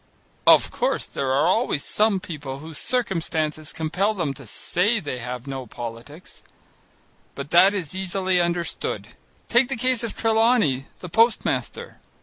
Of course there are always some people whose circumstances compel them to say that they have no politics. But that is easily understood. Take the case of Trelawney, the postmaster.